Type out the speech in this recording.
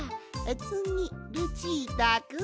つぎルチータくん！